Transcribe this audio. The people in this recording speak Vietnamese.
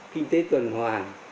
kinh tế tuần hoàng